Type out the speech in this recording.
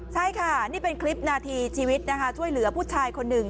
ใช่ค่ะนี่เป็นคลิปนาทีชีวิตนะคะช่วยเหลือผู้ชายคนหนึ่ง